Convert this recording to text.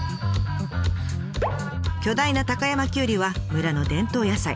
巨大な高山きゅうりは村の伝統野菜。